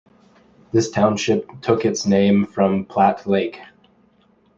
This township took its name from Platte Lake.